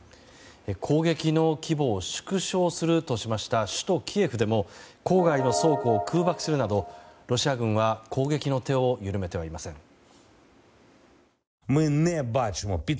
攻撃の規模を縮小するとしました首都キエフでも、郊外の倉庫を空爆するなど、ロシア軍は攻撃の手を緩めてはいません。